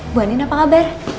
bu andien apa kabar